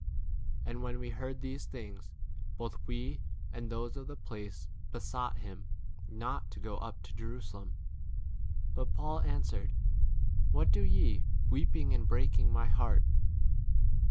And when we heard these things, both we and those of the place besought [him] not 13 to go up to Jerusalem. But Paul answered, "What do ye, weeping and breaking my heart